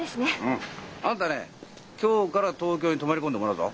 うん。あんたね今日から東京に泊まり込んでもらうぞ。